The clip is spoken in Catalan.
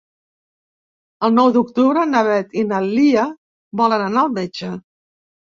El nou d'octubre na Beth i na Lia volen anar al metge.